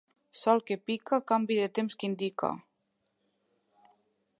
Sol que pica, canvi de temps indica.